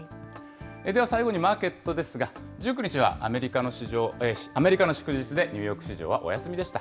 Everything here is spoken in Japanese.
では最後にマーケットですが、１９日はアメリカの市場、祝日でニューヨーク市場はお休みでした。